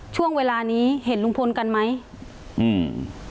ช่วงเวลานี้เห็นลุงพลกันไหมอืม